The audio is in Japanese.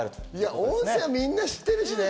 温泉はみんな知ってるしね。